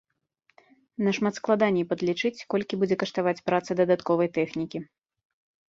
Нашмат складаней падлічыць, колькі будзе каштаваць праца дадатковай тэхнікі.